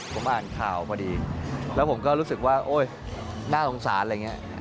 ผมอ่านข่าวพอดีแล้วผมก็รู้สึกว่าโอ๊ยน่าสงสารอะไรอย่างนี้